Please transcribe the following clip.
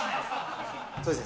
そうですね。